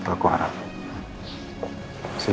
silahkan aku minta tukar siang